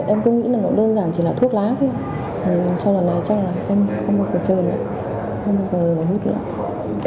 em cứ nghĩ nó đơn giản chỉ là thuốc lá thôi sau lần này em chắc là không bao giờ chơi nữa không bao giờ hút nữa